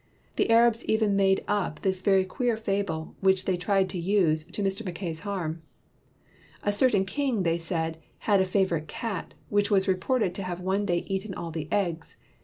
The Arabs even made up this very queer fable, which they tried to use to Mr. Mackay 's harm: "A certain king," they said, "had a fav orite cat, which was reported to have one day eaten all the eggs.